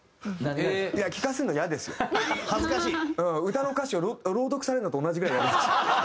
歌の歌詞を朗読されるのと同じぐらいイヤですよ。